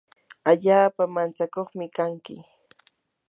allaapa mantsakuqmi kanki.